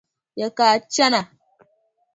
Ya ka a chana?